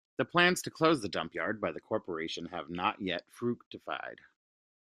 The plans to close the dumpyard by the corporation have not yet fructified.